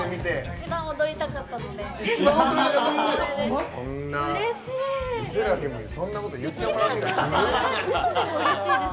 一番踊りたかったので光栄です。